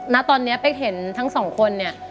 ณตอนนี้เป๊กเห็นทั้งสองคนเนี่ย